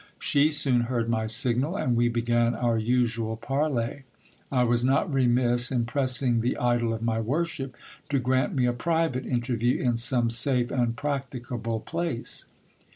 She soon heard my signal, and we began our usual parley. I was not remiss in pressing the idol of my worship to grant me a private interview in some safe and practicable place.